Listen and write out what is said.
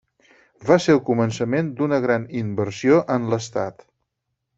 Va ser el començament d'una gran inversió en l'estat.